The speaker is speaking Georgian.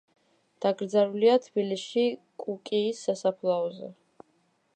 დაკრძალულია თბილისში კუკიის სასაფლაოზე.